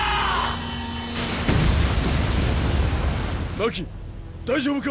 真希大丈夫か？